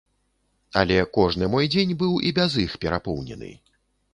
Але кожны мой дзень быў і без іх перапоўнены.